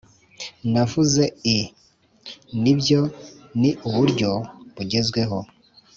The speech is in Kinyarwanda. navuze i: "nibyo, ni uburyo bugezweho."